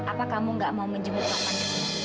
apa kamu nggak mau menjemput taufan